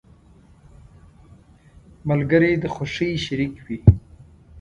• ملګری د خوښۍ شریك وي.